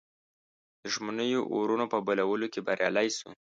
دښمنیو اورونو په بلولو کې بریالی سو.